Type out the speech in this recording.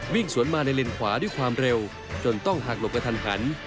วิ่งสวนมาในเลนขวาด้วยความเร็วจนต้องหักหลบกระทันหัน